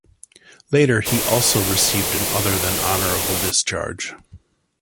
Later, he also received an other than honorable discharge.